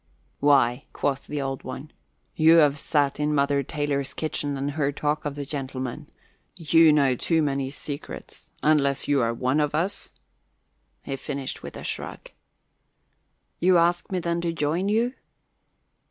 "Why," quoth the Old One, "you have sat in Mother Taylor's kitchen and heard talk of the gentlemen. You know too many secrets. Unless you are one of us " He finished with a shrug. "You ask me, then, to join you?"